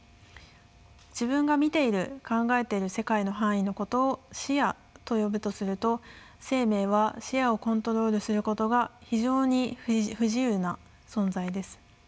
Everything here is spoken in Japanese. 自分が見ている考えている世界の範囲のことを視野と呼ぶとすると生命は視野をコントロールすることが非常に不自由な存在です。